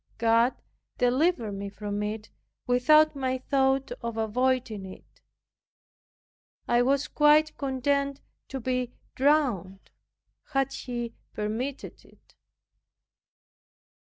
God delivered me from it without my thought of avoiding it. I was quite content to be drowned, had He permitted it.